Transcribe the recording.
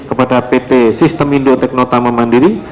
kepada pt sistem indotekno taman mandiri